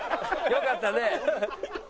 よかったね。